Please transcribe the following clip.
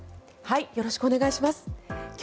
よろしくお願いします。